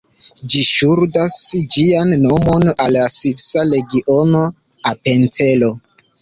Ĝi ŝuldas ĝian nomon al la svisa regiono Apencelo.